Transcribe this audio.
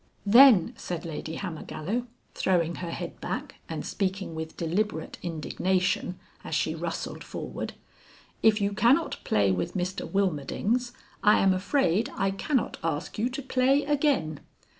"Then," said Lady Hammergallow, throwing her head back and speaking with deliberate indignation, as she rustled forward, "if you cannot play with Mr Wilmerdings I am afraid I cannot ask you to play again."